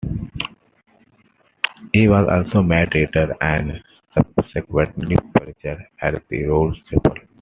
He was also made Reader, and subsequently Preacher, at the Rolls Chapel.